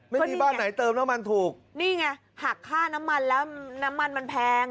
ไม่มีบ้านไหนเติมน้ำมันถูกนี่ไงหักค่าน้ำมันแล้วน้ำมันมันแพง